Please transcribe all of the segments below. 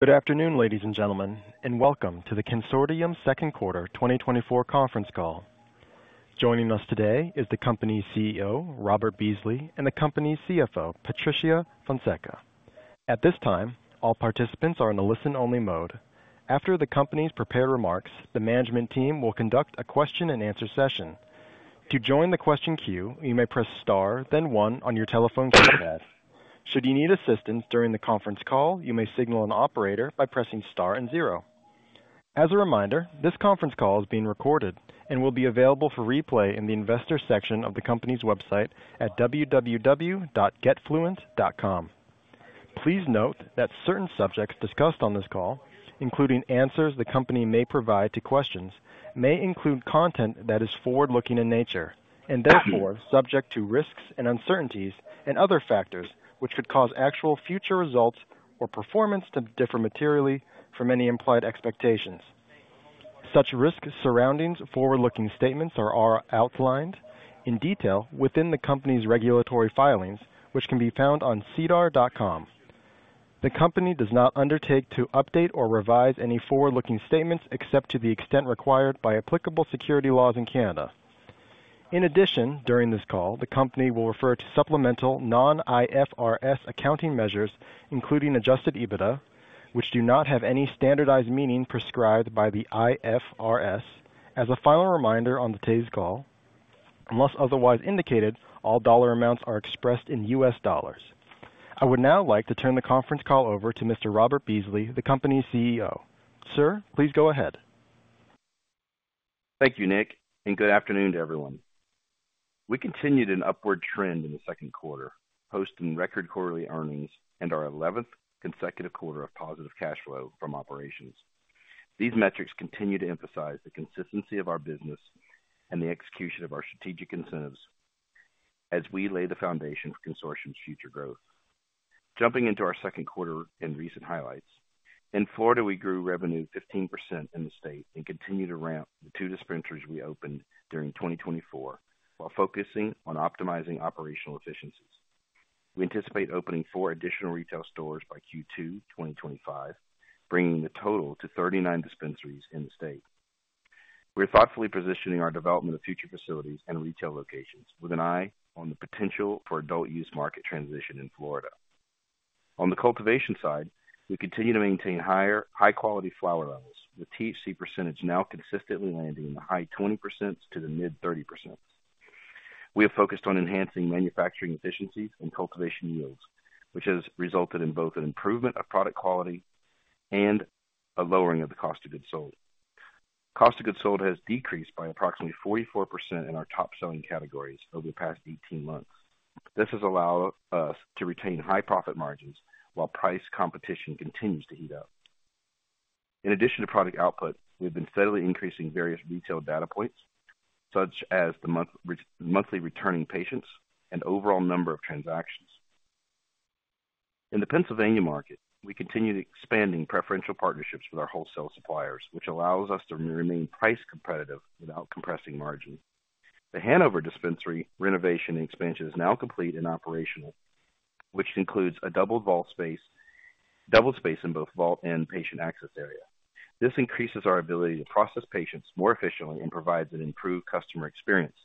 Good afternoon, ladies and gentlemen, and welcome to the Cansortium second quarter 2024 conference call. Joining us today is the company's CEO, Robert Beasley, and the company's CFO, Patricia Fonseca. At this time, all participants are in the listen-only mode. After the company's prepared remarks, the management team will conduct a question-and-answer session. To join the question queue, you may press star, then one on your telephone keypad. Should you need assistance during the conference call, you may signal an operator by pressing star and zero. As a reminder, this conference call is being recorded and will be available for replay in the investor section of the company's website at www.getfluent.com. Please note that certain subjects discussed on this call, including answers the company may provide to questions, may include content that is forward-looking in nature and therefore subject to risks and uncertainties and other factors, which could cause actual future results or performance to differ materially from any implied expectations. Such risks surrounding forward-looking statements are outlined in detail within the company's regulatory filings, which can be found on cedar.com. The company does not undertake to update or revise any forward-looking statements, except to the extent required by applicable securities laws in Canada. In addition, during this call, the company will refer to supplemental non-IFRS accounting measures, including Adjusted EBITDA, which do not have any standardized meaning prescribed by the IFRS. As a final reminder on today's call, unless otherwise indicated, all dollar amounts are expressed in US dollars. I would now like to turn the conference call over to Mr. Robert Beasley, the company's CEO. Sir, please go ahead. Thank you, Nick, and good afternoon to everyone. We continued an upward trend in the second quarter, posting record quarterly earnings and our eleventh consecutive quarter of positive cash flow from operations. These metrics continue to emphasize the consistency of our business and the execution of our strategic incentives as we lay the foundation for Cansortium's future growth. Jumping into our second quarter recent highlights. In Florida, we grew revenue 15% in the state and continued to ramp the two dispensaries we opened during 2024, while focusing on optimizing operational efficiencies. We anticipate opening four additional retail stores by Q2 2025, bringing the total to 39 dispensaries in the state. We're thoughtfully positioning our development of future facilities and retail locations with an eye on the potential for adult use market transition in Florida. On the cultivation side, we continue to maintain higher, high-quality flower levels, with THC percentage now consistently landing in the high 20s% to the mid 30s%. We have focused on enhancing manufacturing efficiencies and cultivation yields, which has resulted in both an improvement of product quality and a lowering of the cost of goods sold. Cost of goods sold has decreased by approximately 44% in our top-selling categories over the past 18 months. This has allowed us to retain high profit margins while price competition continues to heat up. In addition to product output, we've been steadily increasing various retail data points, such as monthly returning patients and overall number of transactions. In the Pennsylvania market, we continue expanding preferential partnerships with our wholesale suppliers, which allows us to remain price competitive without compressing margins. The Hanover Dispensary renovation and expansion is now complete and operational, which includes a double vault space, double space in both vault and patient access area. This increases our ability to process patients more efficiently and provides an improved customer experience.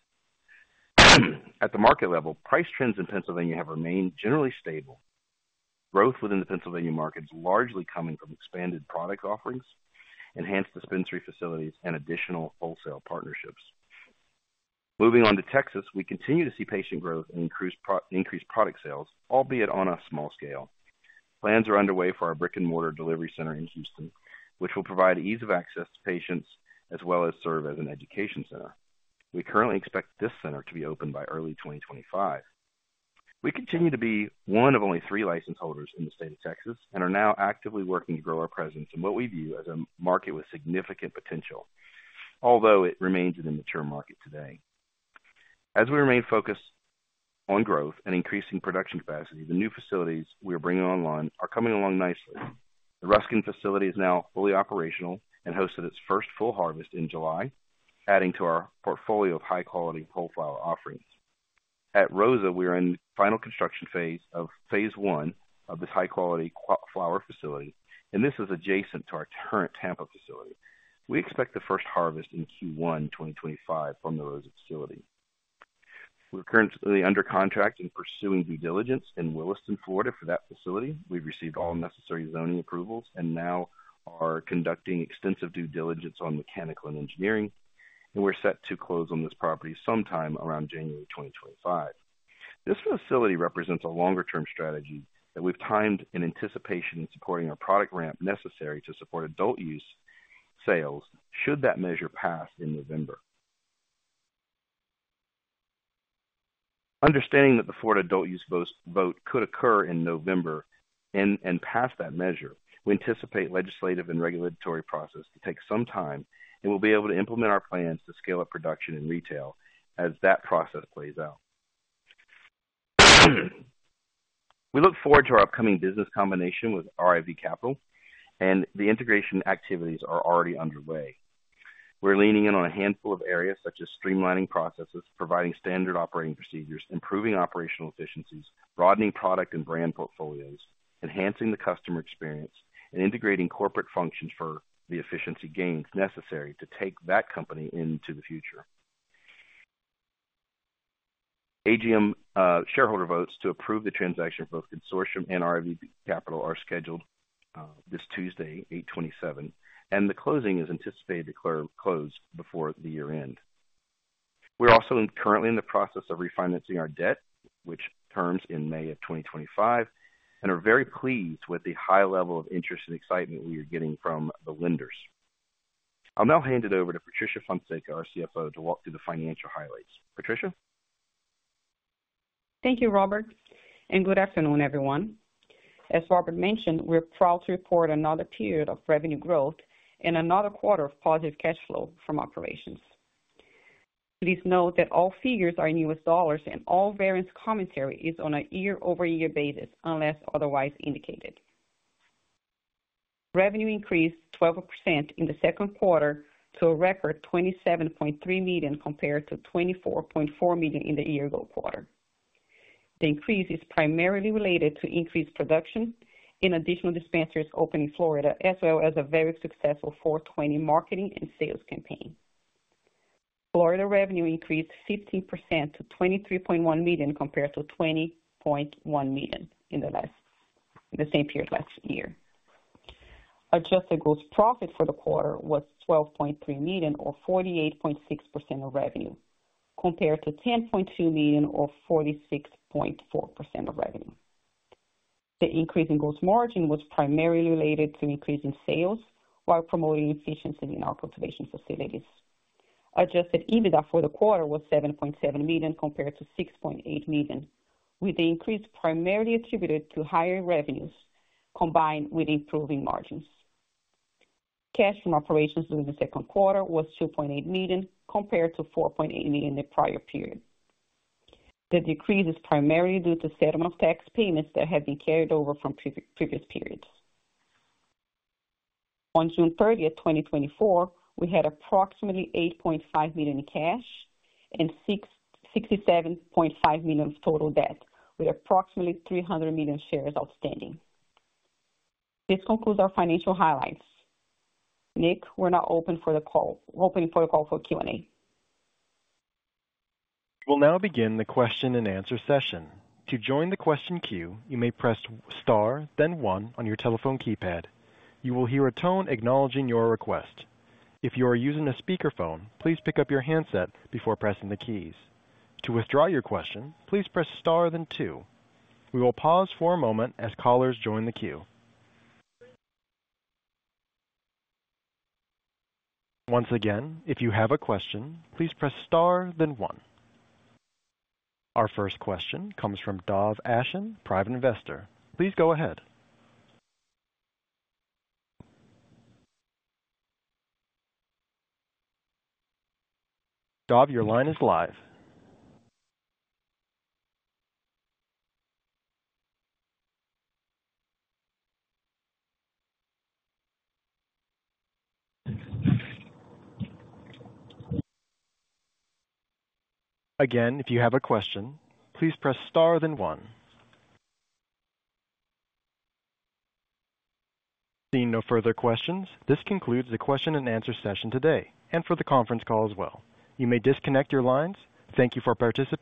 At the market level, price trends in Pennsylvania have remained generally stable. Growth within the Pennsylvania market is largely coming from expanded product offerings, enhanced dispensary facilities, and additional wholesale partnerships. Moving on to Texas, we continue to see patient growth and increased product sales, albeit on a small scale. Plans are underway for our brick-and-mortar delivery center in Houston, which will provide ease of access to patients as well as serve as an education center. We currently expect this center to be open by early 2025. We continue to be one of only three license holders in the state of Texas and are now actively working to grow our presence in what we view as a market with significant potential, although it remains an immature market today. As we remain focused on growth and increasing production capacity, the new facilities we are bringing online are coming along nicely. The Ruskin facility is now fully operational and hosted its first full harvest in July, adding to our portfolio of high-quality cured flower offerings. At Rosa, we are in the final construction phase of phase one of this high-quality cured flower facility, and this is adjacent to our current Tampa facility. We expect the first harvest in Q1 2025 from the Rosa facility. We're currently under contract and pursuing due diligence in Williston, Florida, for that facility. We've received all necessary zoning approvals and now are conducting extensive due diligence on mechanical and engineering, and we're set to close on this property sometime around January 2025. This facility represents a longer-term strategy that we've timed in anticipation of supporting our product ramp necessary to support adult use sales should that measure pass in November. Understanding that the Florida adult use vote could occur in November and pass that measure, we anticipate legislative and regulatory process to take some time, and we'll be able to implement our plans to scale up production and retail as that process plays out. We look forward to our upcoming business combination with RIV Capital, and the integration activities are already underway. We're leaning in on a handful of areas, such as streamlining processes, providing standard operating procedures, improving operational efficiencies, broadening product and brand portfolios, enhancing the customer experience, and integrating corporate functions for the efficiency gains necessary to take that company into the future. AGM shareholder votes to approve the transaction for both Cansortium and RIV Capital are scheduled this Tuesday, 8:27 A.M., and the closing is anticipated to close before the year-end. We're also currently in the process of refinancing our debt, which terms in May 2025, and are very pleased with the high level of interest and excitement we are getting from the lenders. I'll now hand it over to Patricia Fonseca, our CFO, to walk through the financial highlights. Patricia? Thank you, Robert, and good afternoon, everyone. As Robert mentioned, we're proud to report another period of revenue growth and another quarter of positive cash flow from operations. Please note that all figures are in US dollars, and all variance commentary is on a year-over-year basis, unless otherwise indicated. Revenue increased 12% in the second quarter to a record $27.3 million, compared to $24.4 million in the year-ago quarter. The increase is primarily related to increased production in additional dispensaries opened in Florida, as well as a very successful 4/20 marketing and sales campaign. Florida revenue increased 15% to $23.1 million, compared to $20.1 million in the same period last year. Adjusted gross profit for the quarter was $12.3 million, or 48.6% of revenue, compared to $10.2 million or 46.4% of revenue. The increase in gross margin was primarily related to an increase in sales while promoting efficiency in our cultivation facilities. Adjusted EBITDA for the quarter was $7.7 million, compared to $6.8 million, with the increase primarily attributed to higher revenues combined with improving margins. Cash from operations during the second quarter was $2.8 million, compared to $4.8 million in the prior period. The decrease is primarily due to settlement of tax payments that have been carried over from previous periods. On June 30th, 2024, we had approximately $8.5 million in cash and $67.5 million of total debt, with approximately $300 million shares outstanding. This concludes our financial highlights. Nick, we're now opening the call for Q&A. We'll now begin the question-and-answer session. To join the question queue, you may press star, then one on your telephone keypad. You will hear a tone acknowledging your request. If you are using a speakerphone, please pick up your handset before pressing the keys. To withdraw your question, please press star, then two. We will pause for a moment as callers join the queue. Once again, if you have a question, please press star, then one. Our first question comes from Dov Ashen, private investor. Please go ahead. Dov, your line is live. Again, if you have a question, please press star, then one. Seeing no further questions, this concludes the question-and-answer session today and for the conference call as well. You may disconnect your lines. Thank you for participating.